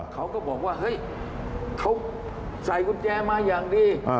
เขาก็บอกว่าเฮ้ยเขาใส่กุญแจมาอย่างดี